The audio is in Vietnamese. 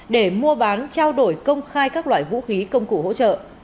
để mua bán trao đổi công khai các loại vũ khí công cụ hỗ trợ